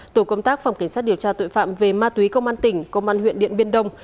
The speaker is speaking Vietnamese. tổ công tác phòng cảnh sát điều tra tội phạm về ma túy công an tỉnh công an huyện điện biên đông